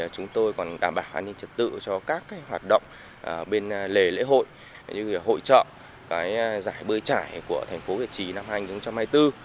chúng tôi còn đảm bảo an ninh trật tự cho các hoạt động bên lề lễ hội như hội trợ giải bơi trải của tp hcm năm hai nghìn hai mươi bốn